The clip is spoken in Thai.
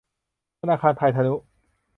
ธนาคารไทยทนุ